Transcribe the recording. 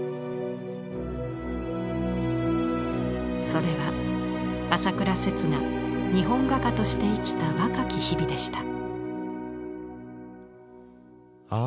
それは朝倉摂が日本画家として生きた若き日々でした。